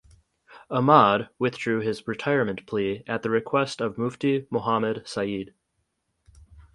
Ahmad withdrew his retirement plea at the request of Mufti Mohammad Sayeed.